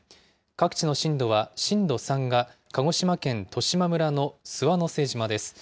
各地の震度は、震度３が鹿児島県十島村の諏訪之瀬島です。